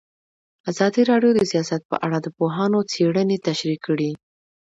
ازادي راډیو د سیاست په اړه د پوهانو څېړنې تشریح کړې.